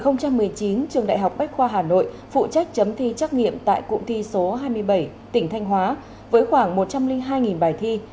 năm hai nghìn một mươi chín trường đại học bách khoa hà nội phụ trách chấm thi trắc nghiệm tại cụm thi số hai mươi bảy tỉnh thanh hóa với khoảng một trăm linh hai bài thi